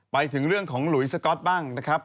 ไปถึงเรื่องของหลุยสก๊อตบ้างนะครับ